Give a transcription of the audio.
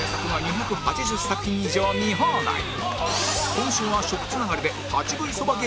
今週は食つながりで